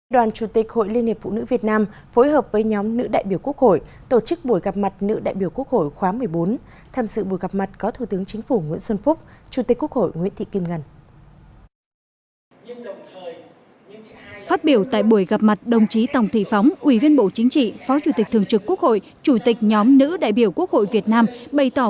đoàn chủ tịch hội liên hiệp phụ nữ việt nam phối hợp với nhóm nữ đại biểu quốc hội tổ chức buổi gặp mặt nữ đại biểu quốc hội khóa một mươi bốn tham dự buổi gặp mặt có thủ tướng chính phủ nguyễn xuân phúc chủ tịch quốc hội nguyễn thị kim ngân